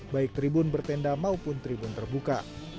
baik tribun bertenda maupun tribun terbuka